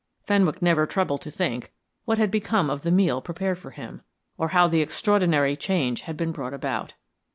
Fenwick never troubled to think what had become of the meal prepared for him, or how the extraordinary change had been brought about.